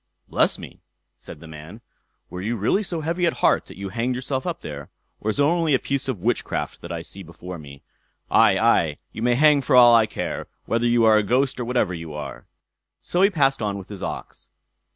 "Bless me!" said the man, "were you really so heavy at heart that you hanged yourself up there—or is it only a piece of witchcraft that I see before me? Aye, aye! you may hang for all I care, whether you are a ghost or whatever you are." So he passed on with his ox.